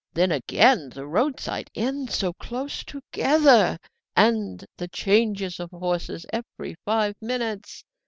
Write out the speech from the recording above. Then, again, the roadside inns so close together, and the changes of horses every five minutes!